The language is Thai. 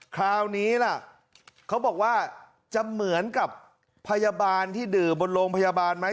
คราวนี้ล่ะเขาบอกว่าจะเหมือนกับพยาบาลที่ดื่มบนโรงพยาบาลไหม